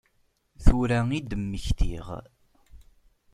Tura i d-mmektiɣ.